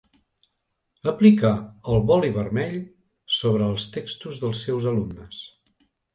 Aplicà el boli vermell sobre els textos dels seus alumnes.